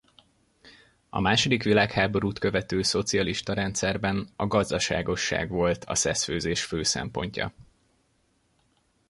A második világháborút követő szocialista rendszerben a gazdaságosság volt a szeszfőzés fő szempontja.